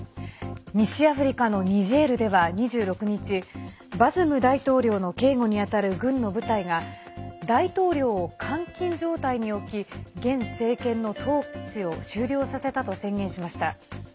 西アフリカのニジェールでは、２６日バズム大統領の警護に当たる軍の部隊が大統領を監禁状態に置き現政権の統治を終了させたと宣言しました。